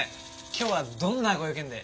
今日はどんなご用件で？